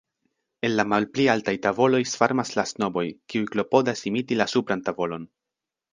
En la malpli altaj tavoloj svarmas la snoboj, kiuj klopodas imiti la supran tavolon.